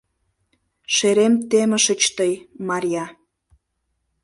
— Шерем темышыч тый, Марья.